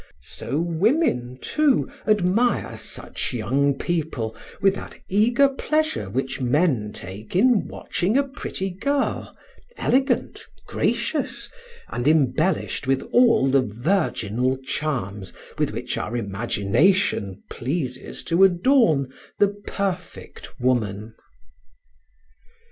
So women, too, admire such young people with that eager pleasure which men take in watching a pretty girl, elegant, gracious, and embellished with all the virginal charms with which our imagination pleases to adorn the perfect woman.